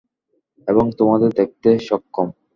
এবং তোমাদের দেখতে সক্ষম।